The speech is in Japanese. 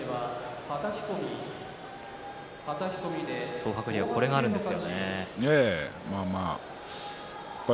東白龍は、これがあるんですね。